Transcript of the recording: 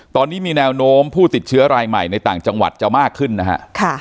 ตอนนี้มีแนวโน้มผู้ติดเชื้อรายใหม่ในต่างจังหวัดจะมากขึ้นนะฮะ